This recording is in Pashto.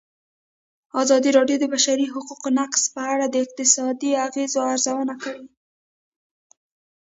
ازادي راډیو د د بشري حقونو نقض په اړه د اقتصادي اغېزو ارزونه کړې.